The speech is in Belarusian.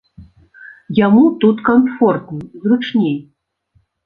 Яму тут камфортней, зручней.